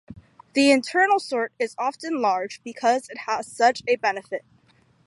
The internal sort is often large because it has such a benefit.